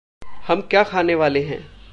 हम क्या खाने वाले हैं?